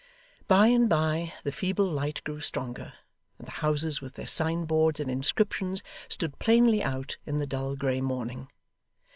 By and by, the feeble light grew stronger, and the houses with their signboards and inscriptions, stood plainly out, in the dull grey morning.